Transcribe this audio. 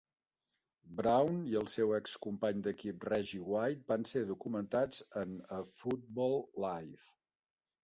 Brown i el seu excompany d'equip Reggie White van ser documentats en "A Football Life".